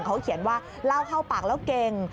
เขาเขียนว่าเล่าเข้าปากแล้วเก่ง